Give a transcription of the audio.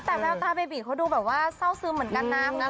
แต่แววตาเบบีเขาดูแบบว่าเศร้าซึมเหมือนกันนะ